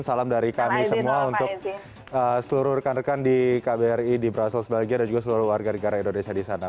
salam dari kami semua untuk seluruh rekan rekan di kbri di brussels belgia dan juga seluruh warga negara indonesia di sana